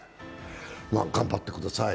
頑張ってください。